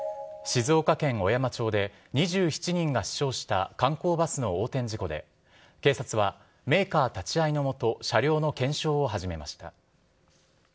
静岡県小山町で２７人が死傷した観光バスの横転事故で、警察はメーカー立ち会いの下、車両の検証を始めました。